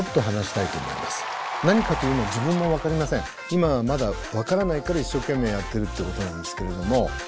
今はまだ分からないから一生懸命やってるってことなんですけれども。